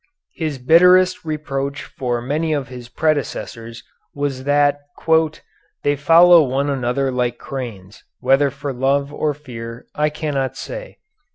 His bitterest reproach for many of his predecessors was that "they follow one another like cranes, whether for love or fear, I cannot say."